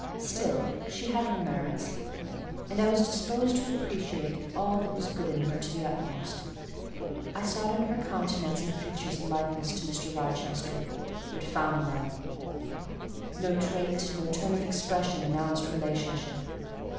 Still she had her merits; and I was disposed to appreciate all that was good in her to the utmost. I sought in her countenance and features a likeness to Mr. Rochester, but found none: no trait, no turn of expression announced relationship.